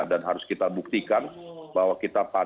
dan harus kita buktikan bahwa kita pantas